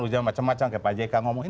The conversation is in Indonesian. ujian macam macam kayak pak jeka ngomong